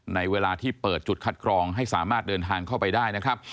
ในเวลาที่เปิดจุดคัดกรองให้สามารถเดินทางเข้าไปได้นะครับ